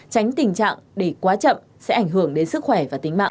tránh tình trạng để quá chậm sẽ ảnh hưởng đến sức khỏe và tính mạng